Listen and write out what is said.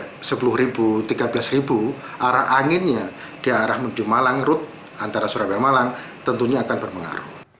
kalau sampai tiga belas arah anginnya di arah menuju malang rute antara surabaya malang tentunya akan berpengaruh